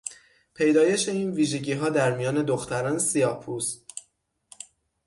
پیدایش این ویژگیها در میان دختران سیاهپوست